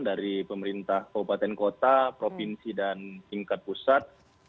dari pemerintah kabupaten kota provinsi dan tingkat pusat